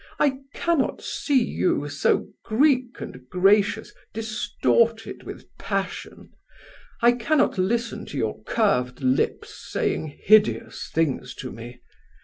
I cannot see you, so Greek and gracious, distorted with passion. I cannot listen to your curved lips saying hideous things to me.